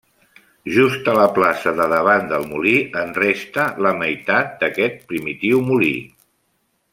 Just a la plaça de davant del molí en resta la meitat d'aquest primitiu molí.